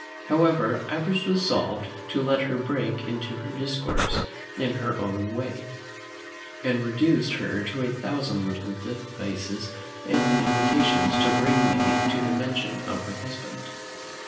However, I was resolved to let her break into her discourse her own way, and reduced her to a thousand little devices and intimations to bring me to the mention of her husband.